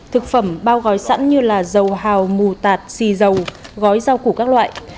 thực phẩm bao gói sẵn như là dầu hào mù tạt xì dầu gói rau củ các loại